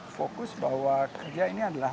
fokus bahwa kerja ini adalah